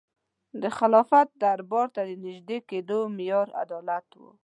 د خلافت دربار ته د نژدې کېدو معیار عدالت و.